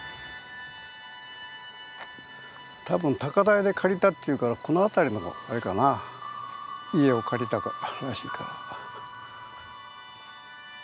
多分高台で借りたっていうからこの辺りのあれかな家を借りたらしいから。